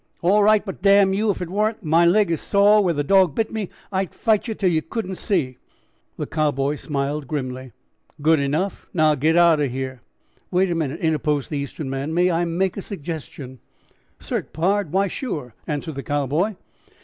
"All right, but, damn you, if it warn't that my leg is sore where the dog bit me I'd fight yer till I couldn't see!" The Cowboy smiled grimly. "Good enough! Now get out of here." "Wait a minute," interposed the Eastern man; "may I make a suggestion?" "Cert, pard, why, sure!" answered the Cowboy.